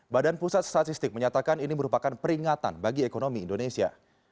badan pusat statistik menyatakan ini merupakan peringatan bagi ekonomi indonesia